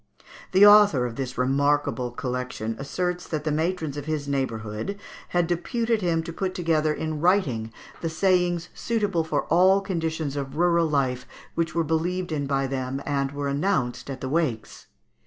The author of this remarkable collection asserts that the matrons in his neighbourhood had deputed him to put together in writing the sayings suitable for all conditions of rural life which were believed in by them and were announced at the wakes.